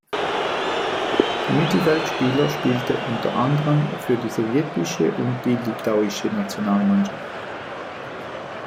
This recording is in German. Der Mittelfeldspieler spielte unter anderem für die sowjetische und die litauische Nationalmannschaft.